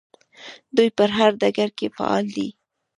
دوی په هر ډګر کې فعالې دي.